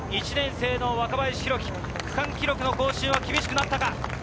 １年生の若林宏樹、区間記録の更新は厳しくなったか。